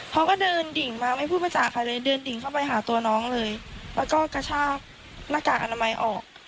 เขาก็เดินดิ่งมาไม่พูดภาษาใครเลยเดินดิ่งเข้าไปหาตัวน้องเลยแล้วก็กระชากหน้ากากอนามัยออก